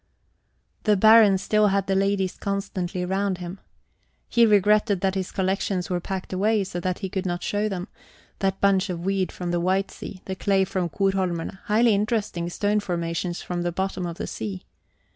The Baron still had the ladies constantly round him. He regretted that his collections were packed away, so that he could not show them that bunch of weed from the White Sea, the clay from Korholmerne, highly interesting stone formations from the bottom of the sea.